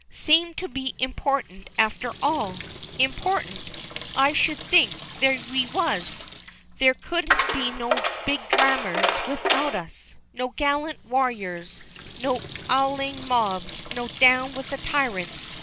"Seem to be important, after all?" Important! I should think we was! There couldn't be no big drarmers without us, no gallant warryers, no 'owling mobs, no "Down with the tirants!"